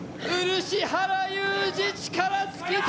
漆原裕治、力尽きた。